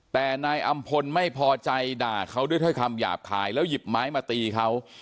แต่นายอำพลไม่พอใจด่าเขาด้วยถ้อยคำหยาบคายแล้วหยิบไม้มาตีเขา